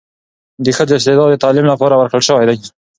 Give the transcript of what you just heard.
د ښځو استعداد د تعلیم لپاره ورکړل شوی دی.